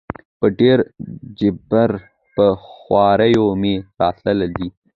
په ډېر جبر په خواریو مي راتله دي